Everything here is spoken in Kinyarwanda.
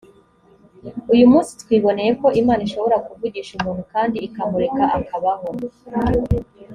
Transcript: uyu munsi twiboneye ko imana ishobora kuvugisha umuntu kandi ikamureka akabaho!